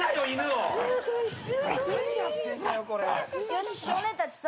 よし少年たちさ